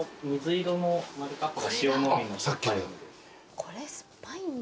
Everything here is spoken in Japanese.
これ酸っぱいんだ。